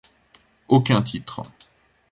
Aucun titre.